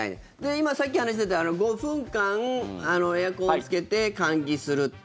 今、さっき話してた５分間エアコンをつけて換気するって。